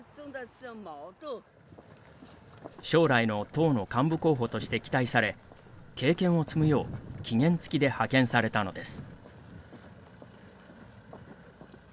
将来の党の幹部候補として期待され、経験を積むよう期限付きで派遣されたのです。